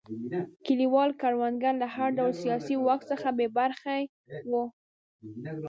کلیوال کروندګر له هر ډول سیاسي واک څخه بې برخې وو.